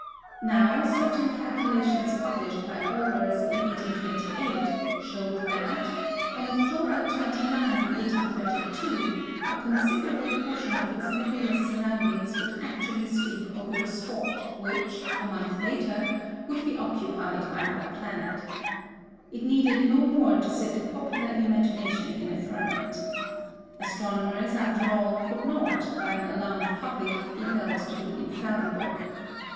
Now, certain calculations published by Olbers in 1828 showed that, on October 29, 1832, a considerable portion of its nebulous surroundings would actually sweep over the spot which, a month later, would be occupied by our planet. It needed no more to set the popular imagination in a ferment. Astronomers, after all, could not, by an alarmed public, be held to be infallible.